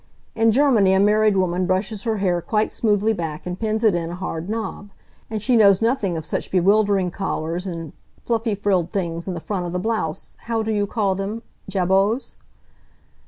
In Germany a married woman brushes her hair quite smoothly back, and pins it in a hard knob. And she knows nothing of such bewildering collars and fluffy frilled things in the front of the blouse. How do you call them jabots?"